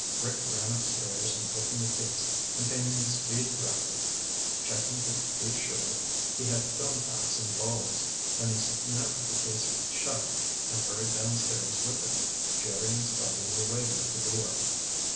Rick ran upstairs and opened the case containing his speed graphic, checking to be sure he had film packs and bulbs, then he snapped the case shut and hurried downstairs with it. Jerry and Scotty were waiting at the door.